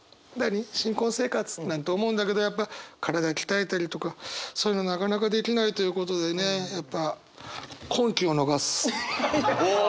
新婚生活なんて思うんだけどやっぱ体鍛えたりとかそういうのなかなかできないということでねやっぱお！